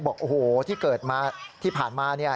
บอกโอ้โหที่เกิดมาที่ผ่านมาเนี่ย